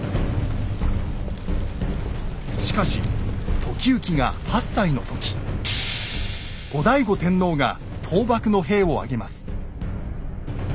しかし時行が８歳の時後醍醐天皇が倒幕の兵を挙げます。